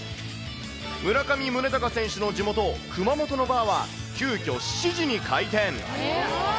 村上宗隆選手の地元、熊本のバーは、急きょ、７時に開店。